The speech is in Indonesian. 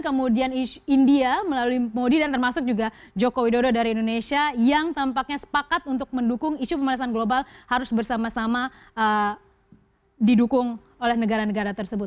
kemudian india melalui modi dan termasuk juga joko widodo dari indonesia yang tampaknya sepakat untuk mendukung isu pemanasan global harus bersama sama didukung oleh negara negara tersebut